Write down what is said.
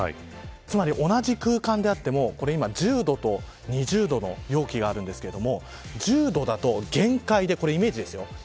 つまり、同じ空間であっても１０度と２０度の容器があるんですけど１０度だと限界でこれは、イメージですよ。